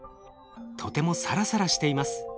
とてもサラサラしています。